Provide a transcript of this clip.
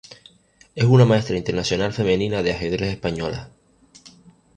Es una maestra internacional femenina de ajedrez española.